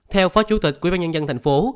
theo phó chủ tịch quyên bán nhân dân thành phố